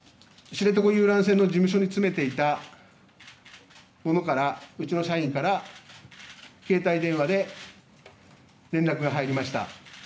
私は知床遊覧船の事務所に詰めていたうちの社員から携帯電話から連絡が入りました。